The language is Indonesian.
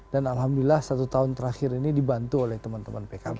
dan alhamdulillah satu tahun terakhir ini dibantu oleh teman teman pkb